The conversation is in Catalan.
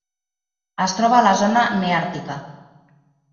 Es troba a la zona neàrtica.